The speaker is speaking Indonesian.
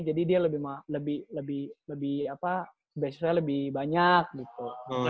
jadi dia lebih lebih lebih apa beasiswanya lebih banyak gitu